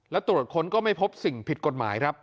แล้วตรวจค้นก็ไม่พบสิ่งผิดกฎหมายครับ